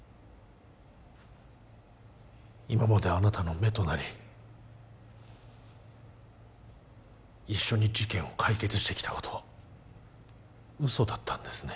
今まであなたの目となり一緒に事件を解決してきたこと嘘だったんですね